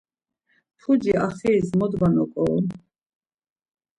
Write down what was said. Puci axiris mot var noǩorun?